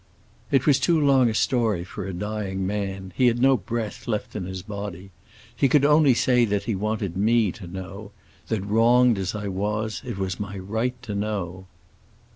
"It was too long a story for a dying man; he had no breath left in his body. He could only say that he wanted me to know—that, wronged as I was, it was my right to know."